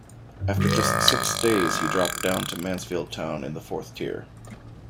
After just six days he dropped down to Mansfield Town in the fourth tier.